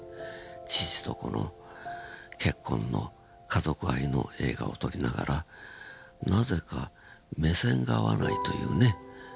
父と子の結婚の家族愛の映画を撮りながらなぜか目線が合わないというね。